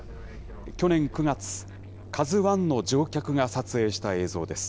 去年９月、ＫＡＺＵＩの乗客が撮影した映像です。